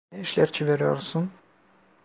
Ne işler çeviriyorsun?